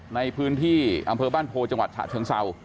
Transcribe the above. ในพื้นที่อำเภอบ้านโพจังหวัดฉะเชิงเศร้า